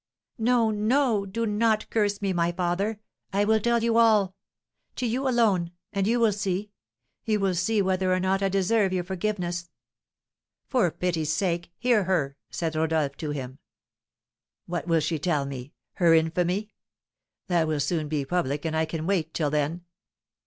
"No, no; do not curse me, my father! I will tell you all, to you alone, and you will see you will see whether or not I deserve your forgiveness." "For pity's sake, hear her!" said Rodolph to him. "What will she tell me, her infamy? That will soon be public, and I can wait till then."